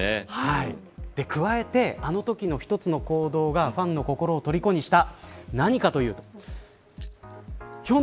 加えてあのときの一つの行動がファンの心をとりこにした。